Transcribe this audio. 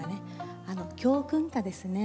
教訓歌ですね。